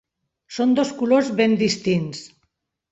Són dos colors ben distints.